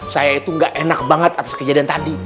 saya itu gak enak banget atas kejadian tadi